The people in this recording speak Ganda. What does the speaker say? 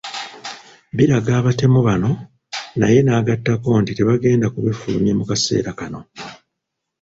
Biraga abatemu bano naye n’agattako nti tebagenda kubifulumya mu kaseera kano.